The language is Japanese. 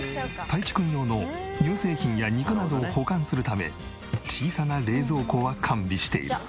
たいちくん用の乳製品や肉などを保管するため小さな冷蔵庫は完備している。